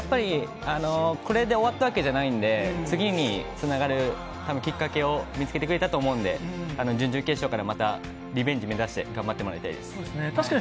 これで終わったわけではないので、次に繋がるきっかけを見つけてくれたと思うので、準々決勝からまたリベンジを目指して頑張ってほしいです。